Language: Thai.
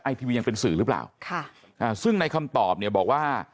ทีวียังเป็นสื่อหรือเปล่าค่ะอ่าซึ่งในคำตอบเนี่ยบอกว่า